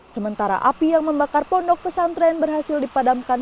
sementara api yang membakar pondok pesantren berhasil dipadamkan